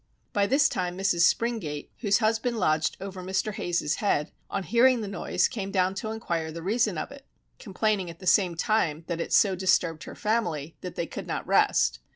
By this time Mrs. Springate, whose husband lodged over Mr. Hayes's head, on hearing the noise came down to enquire the reason of it, complaining at the same time that it so disturbed her family that they could not rest.